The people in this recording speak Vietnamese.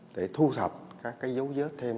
để thu thập các cái dấu vết thêm